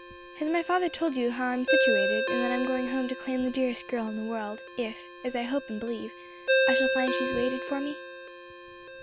Has my father told you how I am situated, and that I am going home to claim the dearest girl in the world, if, as I hope and believe, I shall find she has waited for me?"